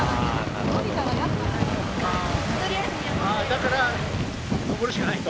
だから登るしかないと。